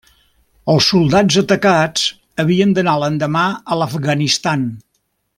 Els soldats atacats havien d'anar l'endemà a l'Afganistan.